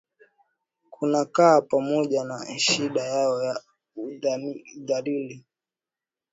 kunakaa pamoja na shida yao ya udhalili